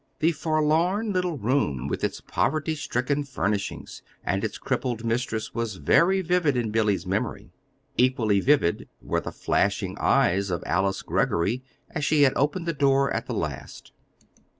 The forlorn little room with its poverty stricken furnishings and its crippled mistress was very vivid in Billy's memory. Equally vivid were the flashing eyes of Alice Greggory as she had opened the door at the last.